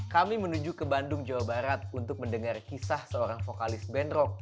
kami menuju ke bandung jawa barat untuk mendengar kisah seorang vokalis band rock